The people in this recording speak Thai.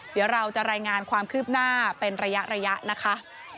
เดี๋ยวเราจะรายงานความคืบหน้าเป็นระยะนะคะ